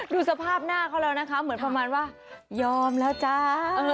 ดูสภาพหน้าเขาแล้วนะคะเหมือนประมาณว่ายอมแล้วจ้า